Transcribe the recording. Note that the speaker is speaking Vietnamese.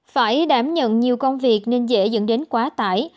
phải đảm nhận nhiều công việc nên dễ dẫn đến quá tải